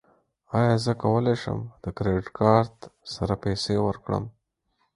ایا زه کولی شم د کریډیټ کارت سره پیسې ورکړم؟